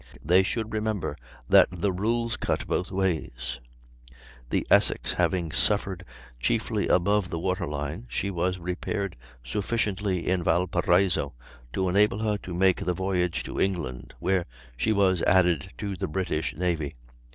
They should remember that the rules cut both ways. The Essex having suffered chiefly above the waterline, she was repaired sufficiently in Valparaiso to enable her to make the voyage to England, where she was added to the British navy.